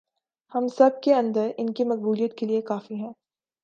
ہم سب کے اندر ان کی مقبولیت کے لئے کافی ہیں